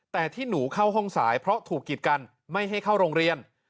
แต่ที่หนูเข้าห้องสายเพราะถูกกิดกันไม่ให้เข้าโรงเรียน